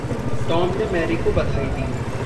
Tom ने Mary को बधाई दी।